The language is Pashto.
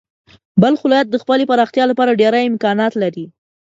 بلخ ولایت د خپلې پراختیا لپاره ډېری امکانات لري.